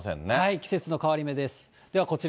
季節の変わり目です。